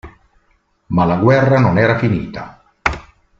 Ma la guerra non era finita.